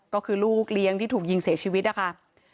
ก็คือลูกเลี้ยงที่ถูกยิงเสียชีวิตนะคะ